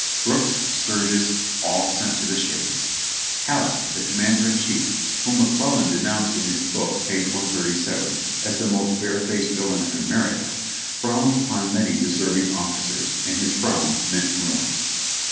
Brooks, Sturgis, — all sent to the shades. Halleck, the commander in chief (whom AFTER CHANCELLORSVILIvE 373 McClellan denounced in his book, page 137, as the most bare faced villain in America), frowned upon many deserving officers, and his frown meant ruin.